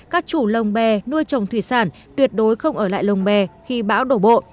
các chủ lông bè nuôi trồng thủy sản tuyệt đối không ở lại lông bè khi bão đổ bộ